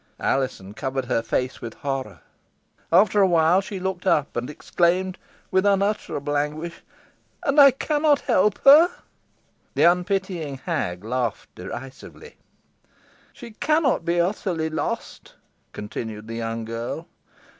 Alizon covered her face with horror. After awhile she looked up, and exclaimed, with unutterable anguish "And I cannot help her!" The unpitying hag laughed derisively. "She cannot be utterly lost," continued the young girl.